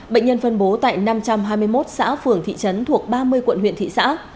bệnh nhân phân bố tại năm trăm hai mươi một xã phường thị trấn thuộc ba mươi quận huyện thị xã